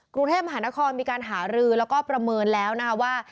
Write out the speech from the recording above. กรุงเทพมหานครมีการหารือแล้วก็ประเมินแล้วนะคะว่า